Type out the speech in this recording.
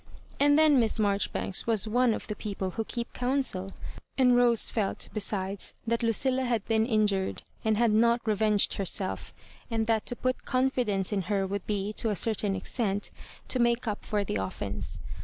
And then Miss Maijoribanks was one of the peo pie who keep counsel ; and Rose felt, besides, that Lucilla had been injured, and had not revenged herself, and that to put confidence in her would be, to a certain extent, to make up for the offence.